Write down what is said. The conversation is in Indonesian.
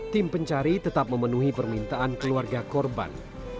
tim pencari tetap memenuhi permintaan keluarga korban